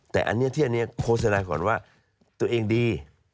แต่อันนี้ที่อันนี้โฆษณาก่อนว่าตัวเองดี